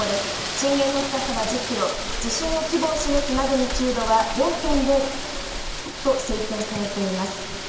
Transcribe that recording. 震源の深さは１０キロ、地震の規模を示すマグニチュードは４．０と推定されています。